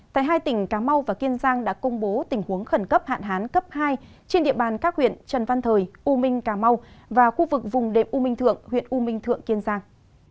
tại hai tỉnh cà mau và kiên giang đã công bố tình huống khẩn cấp hạn hán cấp hai trên địa bàn các huyện trần văn thời u minh cà mau và khu vực vùng đệm u minh thượng huyện u minh thượng kiên giang